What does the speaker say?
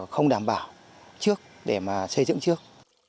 không đảm bảo trước để mà xây dựng trước